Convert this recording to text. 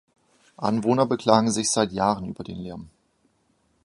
Anwohner beklagen sich seit Jahren über den Lärm.